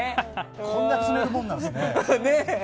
こんな積めるものなんですね。